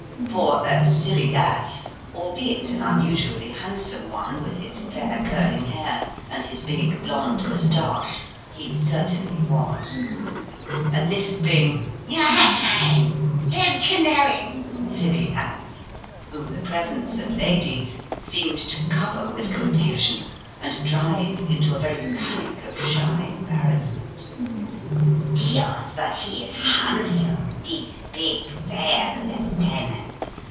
For, a "silly ass" albeit an unusually handsome one with his fair, curling hair and his big blonde moustache he certainly was; a lisping "ha ha ing" "don't cher knowing" silly ass, whom the presence of ladies seemed to cover with confusion and drive into a very panic of shy embarrassment. "Dios! but he is handsome, this big, fair lieutenant!"